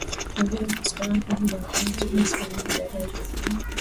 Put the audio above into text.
Ubelgiji Scotland pamoja na Boris Johnson wa Uingereza